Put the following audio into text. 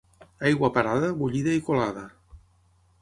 Aigua parada, bullida i colada.